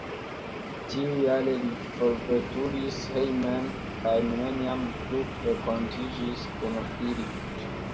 Tiujare li forveturis hejmen kaj neniam plu renkontiĝis kun ili.